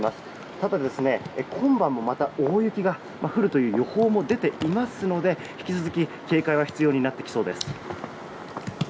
ただ今晩もまた大雪が降るという予報も出ていますので引き続き警戒は必要になってきます。